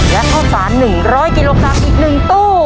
และข้าวสาร๑๐๐กิโลกรัมอีก๑ตู้